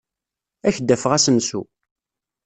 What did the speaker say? Ad ak-d-afeɣ asensu.